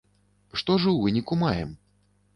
Што ж у выніку маем?